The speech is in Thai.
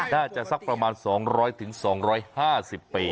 น่าจะสักประมาณสองร้อยถึงสองร้อยห้าสิบปี